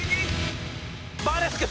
バーレスク！